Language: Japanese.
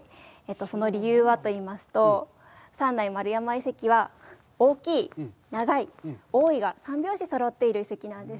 その理由は三内丸山遺跡は大きい、長い、多いが、三拍子そろっている遺跡なんです。